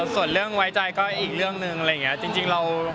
ส่วนเรื่องไว้ใจก็อีกเรื่องหนึ่งอะไรอย่างนี้จริงเรา